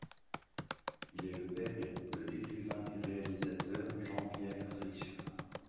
Il est le père de l'écrivain et réalisateur Jean-Pierre Richard.